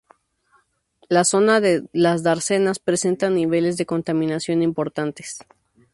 La zona de las dársenas presentan niveles de contaminación importantes.